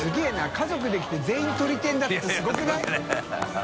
家族で来て全員とり天だってすごくない？